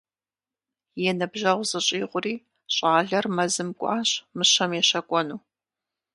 И ныбжьэгъу зыщӏигъури, щӏалэр мэзым кӏуащ мыщэм ещэкӏуэну.